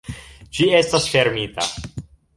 Ĝi estas fermita.